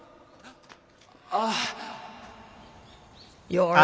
ああ。